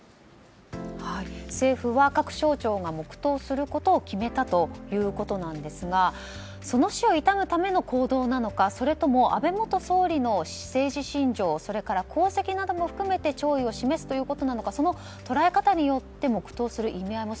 政府は各省庁が黙祷することを決めたということなんですがその死を悼むための行動なのかそれとも安倍元総理の政治信条、功績なども含めて弔意を示すということなのかその捉え方によっても黙祷する意味合いが